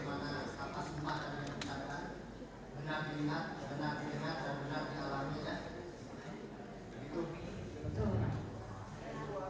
karena ini satu kali sebelum saya diadakan penyelesaian